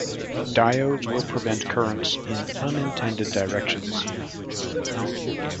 Diodes will prevent currents in unintended directions.